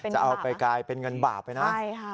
จะเอาไปกลายเป็นเงินบาปไปนะ